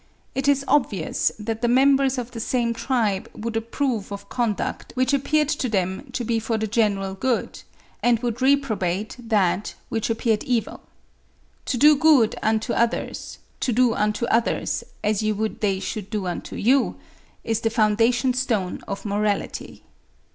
It is obvious, that the members of the same tribe would approve of conduct which appeared to them to be for the general good, and would reprobate that which appeared evil. To do good unto others—to do unto others as ye would they should do unto you—is the foundation stone of morality.